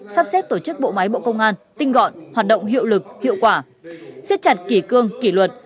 sắp xếp tổ chức bộ máy bộ công an tinh gọn hoạt động hiệu lực hiệu quả xếp chặt kỷ cương kỷ luật